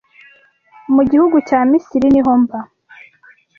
Mu gihugu cya Misiri niho mba